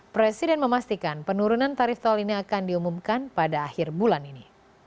presiden memastikan penurunan tarif tol ini akan diumumkan pada akhir bulan ini